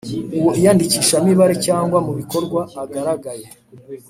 Uwo iyandikishamibare cyangwa mu bikorwa agaragaye